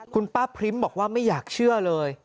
คุณป้าพริ้มบอกว่าไม่อยากเชื่อเลย